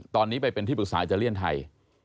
ตอนนี้เป็นบริกษาที่จะเรียนไทย